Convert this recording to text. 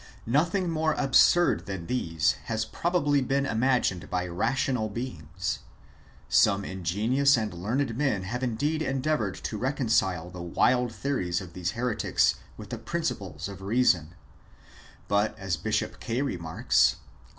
Nothing more absurd than these has probably ever been imagined by rational beings. Some ingenious and learned men have indeed endeavoured to re concile the wild theories of these heretics with the principles of reason ; bnt, as Bishop Kaye remarks (Eccl.